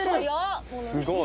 すごい！